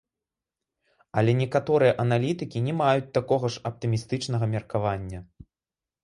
Але некаторыя аналітыкі не маюць такога ж аптымістычнага меркавання.